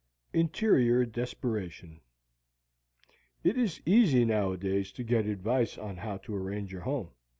INTERIOR DESPERATION It is easy nowadays to get advice on how to arrange your home.